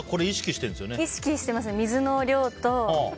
意識してますね、水の量と。